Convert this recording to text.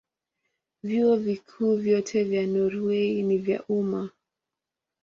Vyuo Vikuu vyote vya Norwei ni vya umma.